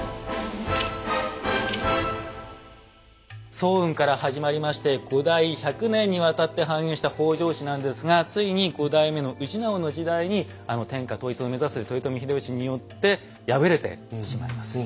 早雲から始まりまして５代１００年にわたって繁栄した北条氏なんですがついに５代目の氏直の時代にあの天下統一を目指す豊臣秀吉によって敗れてしまいます。